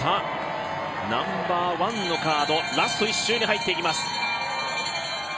ナンバーワンのカードラスト１周に入ってきます。